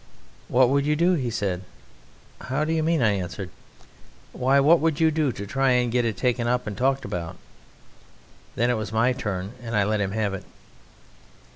"What would you do?" he said. "How do you mean?" I answered. "Why, what would you do to try and get it taken up and talked about?" Then it was my turn, and I let him have it.